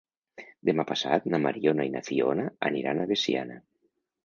Demà passat na Mariona i na Fiona aniran a Veciana.